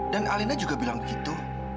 dan alina juga bilang begitu